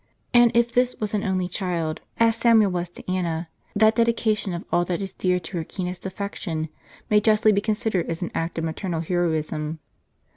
And if this was an only child, as Samuel was to Anna, that dedication of all that is dear to her keenest affection, may justly be considered as an act of maternal heroism.